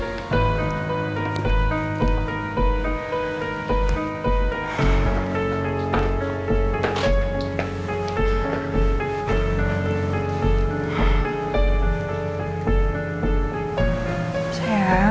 dan mereka akan bercerai